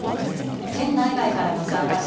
県内外からの参加者